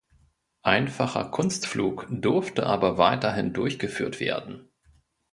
Einfacher Kunstflug durfte aber weiterhin durchgeführt werden.